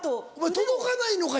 届かないのか？